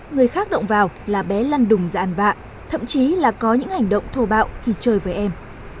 người khác động vào là bé lăn đùng ra ăn vạ thậm chí là có những hành động thô bạo khi chơi với em